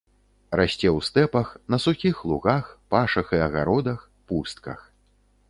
Расце ў стэпах, на сухіх лугах, пашах і агародах, пустках.